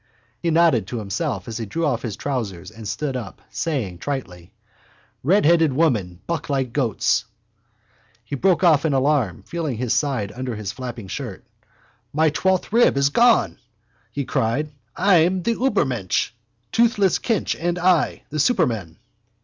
He nodded to himself as he drew off his trousers and stood up, saying tritely: —Redheaded women buck like goats. He broke off in alarm, feeling his side under his flapping shirt. —My twelfth rib is gone, he cried. I'm the Übermensch. Toothless Kinch and I, the supermen.